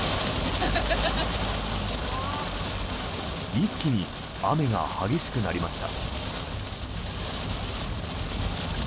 一気に雨が激しくなりました。